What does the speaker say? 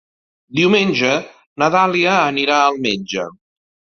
Diumenge na Dàlia anirà al metge.